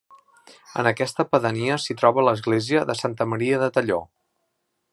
En aquesta pedania s'hi troba l'església de Santa Maria de Talló.